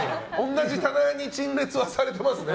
同じ棚に陳列はされてますね。